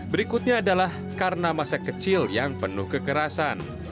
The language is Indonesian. berikutnya adalah karena masa kecil yang penuh kekerasan